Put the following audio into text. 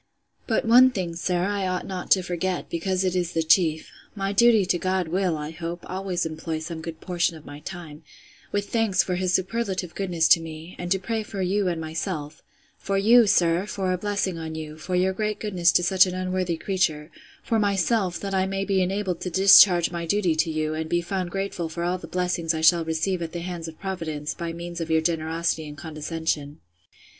But one thing, sir, I ought not to forget, because it is the chief: My duty to God will, I hope, always employ some good portion of my time, with thanks for his superlative goodness to me; and to pray for you and myself: for you, sir, for a blessing on you, for your great goodness to such an unworthy creature: for myself, that I may be enabled to discharge my duty to you, and be found grateful for all the blessings I shall receive at the hands of Providence, by means of your generosity and condescension.